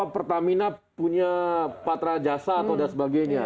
pertamina punya patra jasa atau dan sebagainya